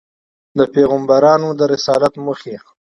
د پیغمبرانود رسالت موخي دي.